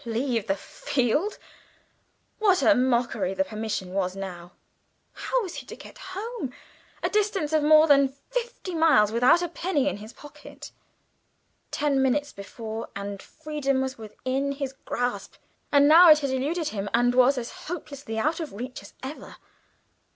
Leave the field! What a mockery the permission was now. How was he to get home, a distance of more than fifty miles, without a penny in his pocket? Ten minutes before, and freedom was within his grasp, and now it had eluded him and was as hopelessly out of reach as ever!